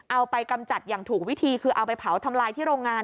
เอาไปกำจัดอย่างถูกวิธีคือเอาไปเผาทำลายที่โรงงาน